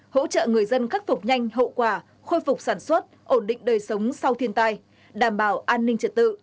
hỗ trợ người dân khắc phục nhanh hậu quả khôi phục sản xuất ổn định đời sống sau thiên tai đảm bảo an ninh trật tự